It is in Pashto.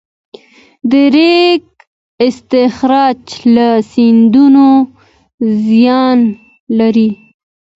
د ریګ استخراج له سیندونو زیان لري؟